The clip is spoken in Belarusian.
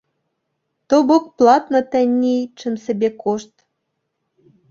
То бок платна танней, чым сабекошт?